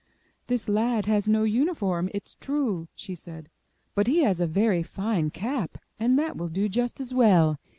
"This lad has no uniform, it's true," she said, "but he has a very fine cap and that will do just as well.